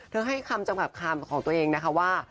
ให้คำจำกัดคำของตัวเองนะคะว่า